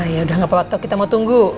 ya udah gak apa apa kita mau tunggu